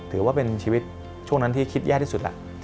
ถือว่าเป็นชีวิตช่วงนั้นที่คิดแย่ที่สุดล่ะ